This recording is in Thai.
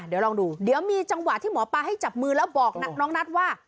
เดี๋ยวลองดูเดี๋ยวมีจังหวะที่หมอปลาให้จับมือแล้วบอกน้องนัทว่า